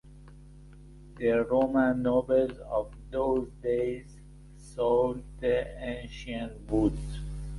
The Roman nobles of those days sold the ancient woods.